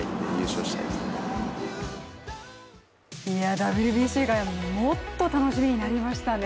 ＷＢＣがもっと楽しみになりましたね。